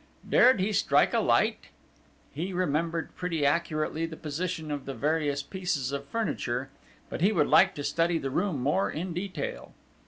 Dared he strike a light! He remembered pretty accurately the position of the various pieces of furniture, but he would like to study the room more in detail.